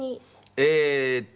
えーっと。